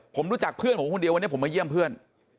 ผมรู้จักเพื่อนผมคนเดียววันนี้ผมมาเยี่ยมเพื่อน